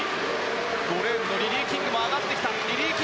５レーンのリリー・キング上がってきた。